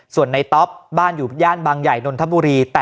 ส่วนในต๊อปบ้านอยู่ในบใหญ่นธบุรี